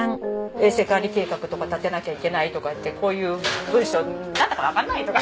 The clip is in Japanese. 衛生管理計画とか立てなきゃいけないとかってこういう文書なんだかわからないとか。